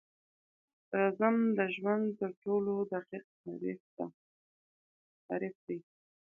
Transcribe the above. رزم د ژوند تر ټولو دقیق تعریف دی.